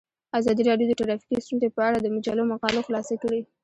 ازادي راډیو د ټرافیکي ستونزې په اړه د مجلو مقالو خلاصه کړې.